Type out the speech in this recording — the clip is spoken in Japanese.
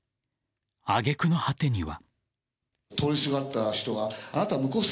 挙句の果てには。